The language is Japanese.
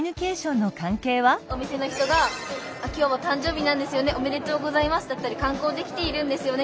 お店の人が「今日はたん生日なんですよね。おめでとうございます」だったり「観光で来ているんですよね。